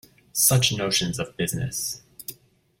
Such notions of business!